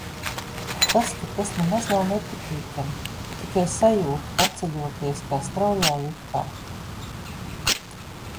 Tas, ka tas nemaz nav nepatīkami, tikai sajūta paceļoties kā straujā liftā.